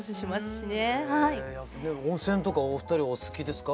でも温泉とかお二人お好きですか？